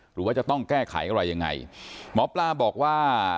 หรือว่าจะต้องแก้ไขอะไรยังไงหมอปลาบอกว่า